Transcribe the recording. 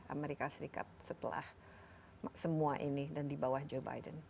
amerika serikat setelah semua ini dan di bawah joe biden